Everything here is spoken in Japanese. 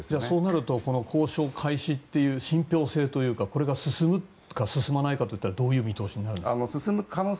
そうなると交渉開始という信ぴょう性というかこれが進むか進まないかといったらどういう見通しになるんですか？